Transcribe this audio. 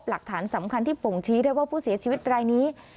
หลักฐานสำคัญที่บ่งชี้ได้ว่าผู้เสียชีวิตรายนี้